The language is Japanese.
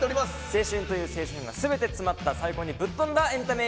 青春という青春が全て詰まった最高にぶっ飛んだエンタメ映画を。